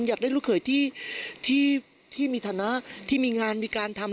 อยากได้ลูกเขยที่มีฐานะที่มีงานมีการทำ